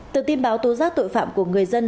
từ tin báo tố giác tội phạm của người dân